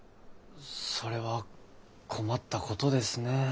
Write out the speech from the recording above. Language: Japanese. それは困ったことですね。